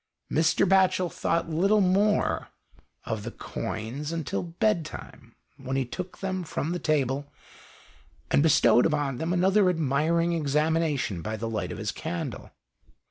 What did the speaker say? Mr. Batchel thought little more of the 73 GHOST TALES. coins until bedtime, when he took them from the table and bestowed upon them another admiring examination by the light of his candle.